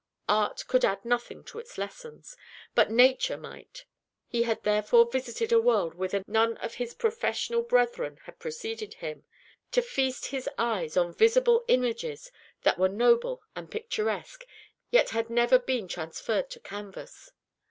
Art could add nothing to its lessons, but Nature might. He had therefore visited a world whither none of his professional brethren had preceded him, to feast his eyes on visible images that were noble and picturesque, yet had never been transferred to canvas.